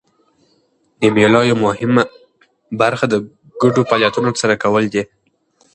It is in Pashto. د مېلو یوه مهمه برخه د ګډو فعالیتونو ترسره کول دي.